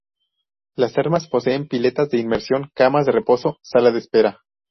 Las termas poseen piletas de inmersión, camas de reposo, sala de espera.